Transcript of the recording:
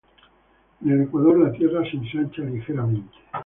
En el ecuador, la Tierra se ensancha ligeramente.